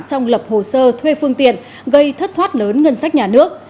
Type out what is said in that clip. trong lập hồ sơ thuê phương tiện gây thất thoát lớn ngân sách nhà nước